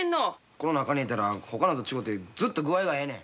この中に入れたらほかのと違てずっと具合がええねん。